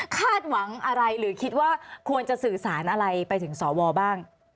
คาดหวังอะไรหรือคิดว่าควรจะสื่อสารอะไรไปถึงสวบ้าง